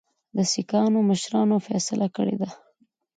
د سیکهانو مشرانو فیصله کړې ده.